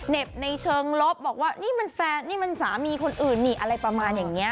ในเชิงลบบอกว่านี่มันแฟนนี่มันสามีคนอื่นนี่อะไรประมาณอย่างนี้